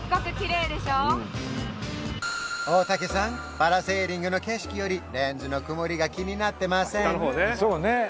パラセーリングの景色よりレンズの曇りが気になってません？